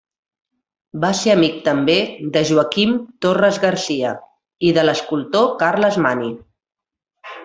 Va ser amic també de Joaquim Torres Garcia, i de l'escultor Carles Mani.